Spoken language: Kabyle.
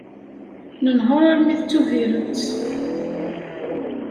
Nenheṛ armi d Tubiret.